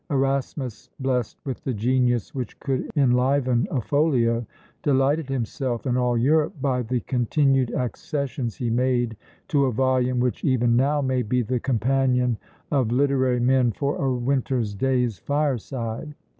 Erasmus, blest with the genius which could enliven a folio, delighted himself and all Europe by the continued accessions he made to a volume which even now may be the companion of literary men for a winter day's fireside.